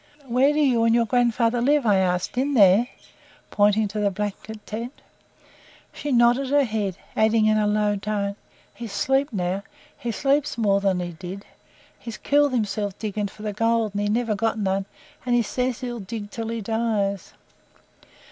"Where do you and your grandfather live?" I asked. "In there?" pointing to the blanket tent. She nodded her head, adding in a lower tone: "He's asleep now. He sleeps more than he did. He's killed hisself digging for the gold, and he never got none, and he says 'he'll dig till he dies.'"